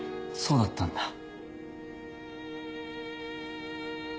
そうだったんだ。